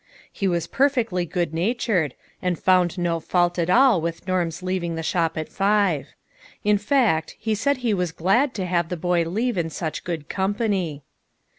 He was perfectly good natured, and found no fault at all with Norm's leaving the shop at five ; in fact he said he was glad to have the boy leave in such good company.